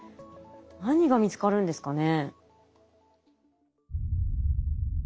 何が見つかるんですかね？